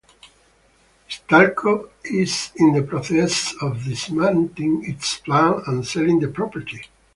Eastalco is in the process of dismantling its plant and selling the property.